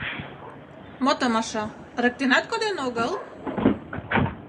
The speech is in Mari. Мо томаша, ырыктенат коден огыл?